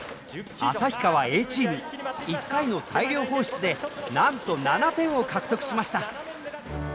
旭川Ａチーム一回の大量放出でなんと７点を獲得しました。